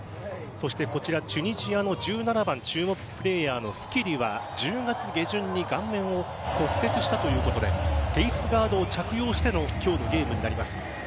そして、チュニジアの１７番注目プレーヤーのスキリは１０月下旬に顔面を骨折したということでフェースガードを着用しての今日のゲームになります。